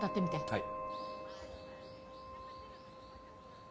はい。